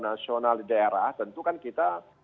nasional di daerah tentu kan kita